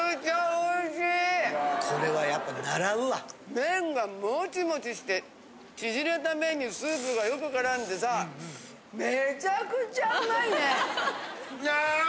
麺がモチモチしてちぢれた麺にスープがよく絡んでさめちゃくちゃうまいね！